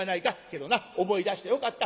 けどな思い出してよかった。